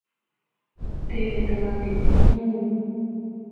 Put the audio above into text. Теве тыланет — ну-у!